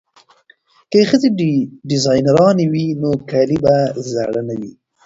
که ښځې ډیزاینرې وي نو کالي به زاړه نه وي.